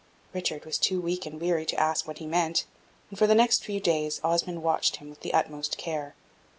Richard was too weak and weary to ask what he meant, and for the next few days Osmond watched him with the utmost care.